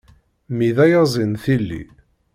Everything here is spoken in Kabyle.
Mmi d ayazi n tili.